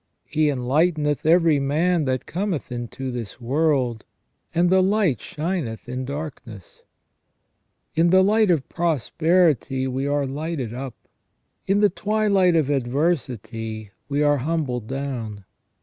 He " enlighteneth every man that cometh into this world ; and the light shineth in dark ness ". In the light of prosperity we are lighted up ; in the twi light of adversity we are humbled down.